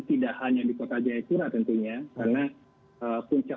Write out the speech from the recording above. tidak hanya di kota jepura tentunya